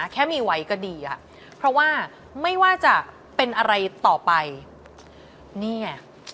แค่มีไว้ก็ดีอะเพราะว่าไม่ว่าจะเป็นอะไรต่อไปนี่ไง